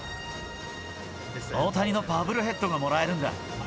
大谷のバブルヘッドがもらえるんだ。